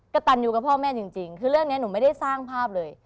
กระตันอยู่กับพ่อแม่จริงคือเรื่องนี้หนูไม่ได้สร้างภาพเลย